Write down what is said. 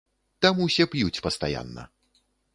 Там усе п'юць пастаянна.